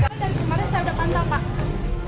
dari kemarin saya sudah pantas pak